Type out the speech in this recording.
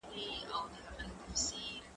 زه به ليک لوستی وي،